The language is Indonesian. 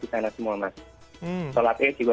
di sana semua mas sholat itu